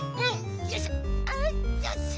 よいしょ。